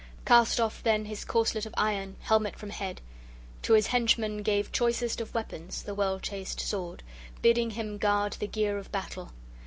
Cast off then his corselet of iron, helmet from head; to his henchman gave, choicest of weapons, the well chased sword, bidding him guard the gear of battle.